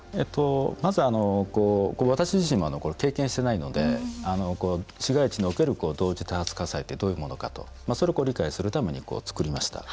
まず私自身も経験していないので市街地における同時多発火災はどういうものかということを理解するために作りました。